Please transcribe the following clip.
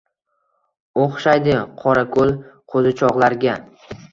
O’xshaydi qorako’l qo’zichoqlarga —